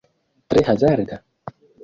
Tre hazarda?